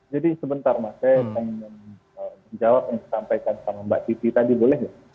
jadi sebentar mas saya ingin menjawab yang disampaikan sama mbak giti tadi boleh nggak